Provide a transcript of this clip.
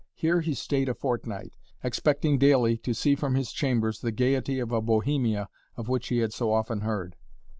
Here he stayed a fortnight, expecting daily to see from his "chambers" the gaiety of a Bohemia of which he had so often heard.